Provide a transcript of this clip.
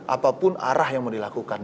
apapun arah yang mau dilakukan